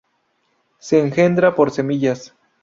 Se engendra por semillas.